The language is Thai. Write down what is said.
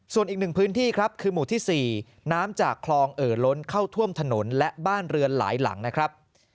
ส่วนอีกหนึ่งพื้นที่ครับคือหมู่ที่๔น้ำจากคลองเอ่อล้นเข้าท่วมถนนและบ้านเรือนหลายหลังนะครับ